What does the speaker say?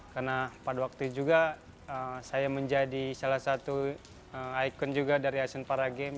karena pada waktu itu juga saya menjadi salah satu ikon juga dari asean para games